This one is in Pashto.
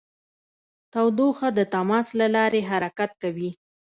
تودوخه د تماس له لارې حرکت کوي.